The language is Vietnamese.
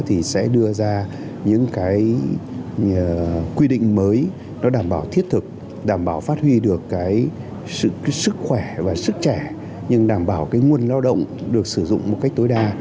thì sẽ đưa ra những quy định mới đảm bảo thiết thực đảm bảo phát huy được sức khỏe và sức trẻ nhưng đảm bảo nguồn lao động được sử dụng một cách tối đa